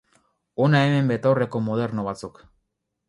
Hona hemen betaurreko moderno batzuk.